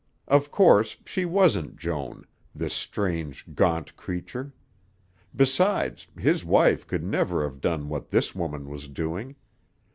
Of course, she wasn't Joan, this strange, gaunt creature. Besides, his wife could never have done what this woman was doing.